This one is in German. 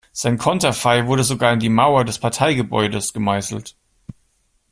Sein Konterfei wurde sogar in die Mauer des Parteigebäudes gemeißelt.